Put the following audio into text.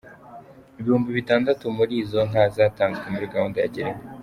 Ibihumbi bitandatu muri izo nka, zatanzwe muri gahunda ya Girinka.